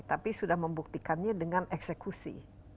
tapi sudah membuktikannya dengan eksekusi